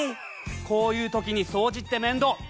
こういう時に掃除って面倒。